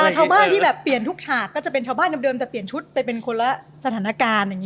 ชาวบ้านที่แบบเปลี่ยนทุกฉากก็จะเป็นชาวบ้านเดิมแต่เปลี่ยนชุดไปเป็นคนละสถานการณ์อย่างนี้